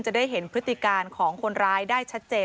จะได้เห็นพฤติการของคนร้ายได้ชัดเจน